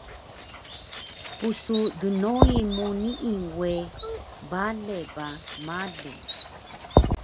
Pusu dnoi mu nii we bale ba malu